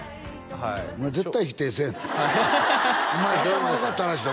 はいお前絶対否定せんお前頭よかったらしいな